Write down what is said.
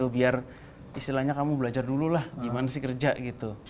biar istilahnya kamu belajar dulu lah gimana sih kerja gitu